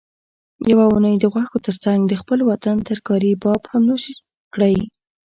یوه اونۍ د غوښو ترڅنګ د خپل وطن ترکاري باب هم نوش کړئ